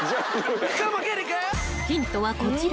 ［ヒントはこちら］